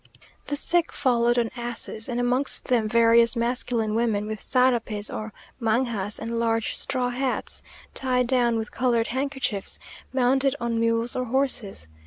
The sick followed on asses, and amongst them various masculine women, with sarapes or mangas and large straw hats, tied down with coloured handkerchiefs, mounted on mules or horses.